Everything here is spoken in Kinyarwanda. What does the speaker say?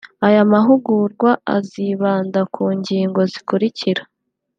Aya mahugurwa azibanda ku ngingo zikurikira